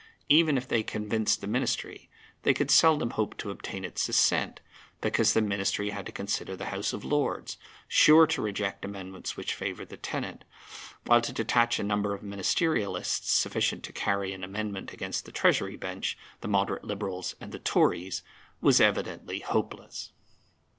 Even if they convinced the Ministry, they could seldom hope to obtain its assent, because the Ministry had to consider the House of Lords, sure to reject amendments which favoured the tenant, while to detach a number of Ministerialists sufficient to carry an amendment against the Treasury Bench, the Moderate Liberals, and the Tories, was evidently hopeless.